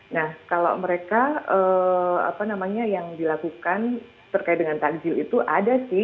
nah kalau mereka apa namanya yang dilakukan terkait dengan takjil itu ada sih